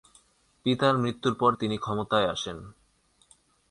পিতার মৃত্যুর পর তিনি ক্ষমতায় আসেন।